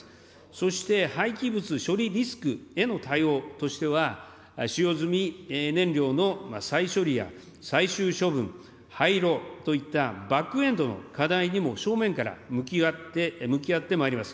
そして、廃棄物処理リスクへの対応としては、使用済み燃料の再処理や、最終処分、廃炉といったバックエンドの課題にも、正面から向き合ってまいります。